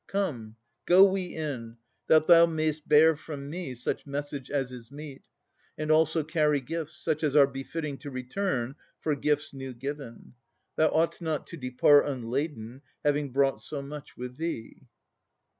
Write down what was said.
Come, go we in, that thou may'st bear from me Such message as is meet, and also carry Gifts, such as are befitting to return For gifts new given. Thou ought'st not to depart Unladen, having brought so much with thee.